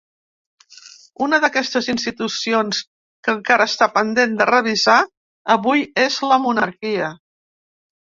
Una d’aquestes institucions que encara està pendent de revisar avui és la monarquia.